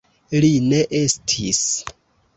Li ne estis.